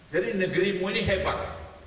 jadi negerimu ini hebat